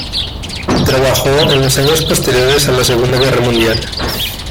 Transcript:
Trabajó en los años posteriores a la Segunda Guerra Mundial.